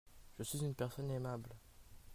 Je suis une personne aimable.